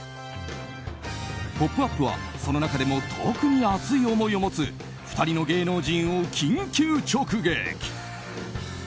「ポップＵＰ！」はその中でも特に熱い思いを持つ２人の芸能人を緊急直撃。